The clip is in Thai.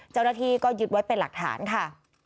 เจ้าหน้าที่ก็ยึดไว้เป็นหลักฐานค่ะ